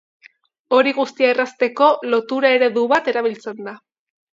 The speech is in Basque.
Hori guztia errazteko, lotura-eredu bat erabiltzen da.